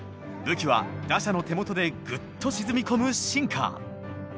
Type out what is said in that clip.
武器は打者の手元でグッと沈み込むシンカー。